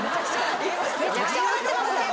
めちゃくちゃ笑ってます。